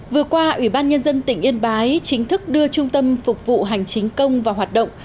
vừa qua ủy ban nhân dân tỉnh yên bái chính thức đưa trung tâm phục vụ hành chính công vào hoạt động